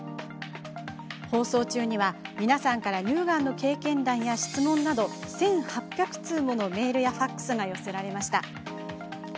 放送中には、皆さんから乳がんの経験談や質問など１８００通ものメールやファックスが寄せられました。